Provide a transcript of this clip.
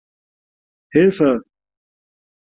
Hilfe!